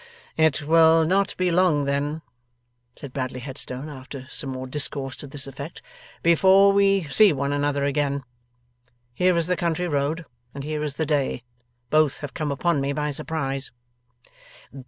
'It will not be long then,' said Bradley Headstone, after some more discourse to this effect, 'before we see one another again. Here is the country road, and here is the day. Both have come upon me by surprise.